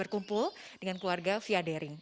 berkumpul dengan keluarga via daring